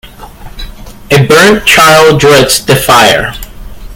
A burnt child dreads the fire.